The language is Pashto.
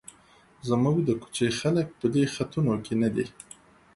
زموږ د کوڅې خلک په دې خطونو کې نه دي.